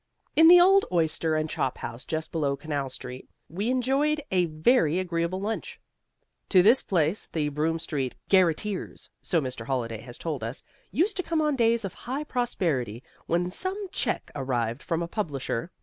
In the old oyster and chop house just below Canal Street we enjoyed a very agreeable lunch. To this place the Broome Street garreteers (so Mr. Holliday has told us) used to come on days of high prosperity when some cheque arrived from a publisher.